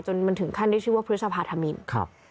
จนมันถึงขั้นได้ชื่อว่าพฤษภาธรรมินทร์ครับครับ